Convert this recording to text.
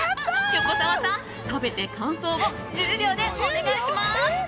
横澤さん、食べて感想を１０秒でお願いします。